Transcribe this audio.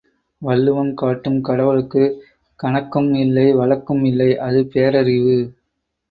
வள்ளுவம் காட்டும் கடவுளுக்குக் கணக்கும் இல்லை வழக்கும் இல்லை அது பேரறிவு!